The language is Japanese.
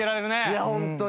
いやホントに。